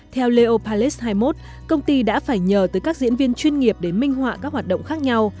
theo leo pales hai mươi một công ty đã phải nhờ tới các diễn viên chuyên nghiệp để minh họa các hoạt động khác nhau